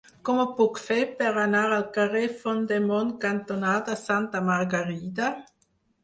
Com ho puc fer per anar al carrer Font del Mont cantonada Santa Margarida?